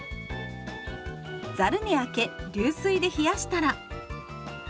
ざるにあけ流水で冷やしたら。